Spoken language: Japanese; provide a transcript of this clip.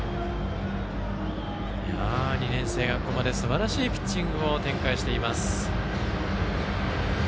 ２年生がここまですばらしいピッチングを展開しています。